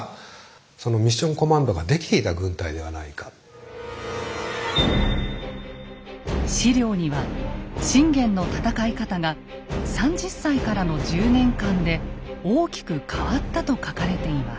恐らく史料には信玄の戦い方が３０歳からの１０年間で大きく変わったと書かれています。